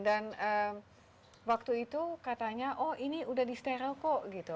dan waktu itu katanya oh ini sudah disteril kok gitu